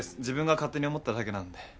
自分が勝手に思っただけなんで。